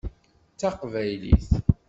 D taqbaylit.